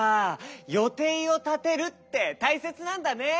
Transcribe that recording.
よていをたてるってたいせつなんだね。